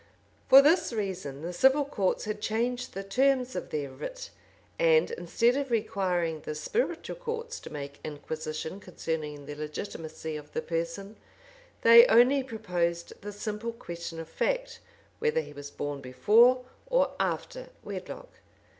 For this reason, the civil courts had changed the terms of their writ; and instead of requiring the spiritual courts to make inquisition concerning the legitimacy of the person, they only proposed the simple question of fact, whether he were born before or after wedlock.